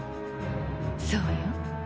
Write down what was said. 「そうよ。